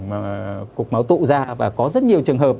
mà cục máu tụ ra và có rất nhiều trường hợp